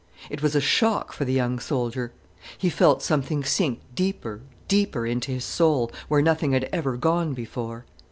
It was a shock for the young soldier. He felt something sink deeper, deeper into his soul, where nothing had ever gone before.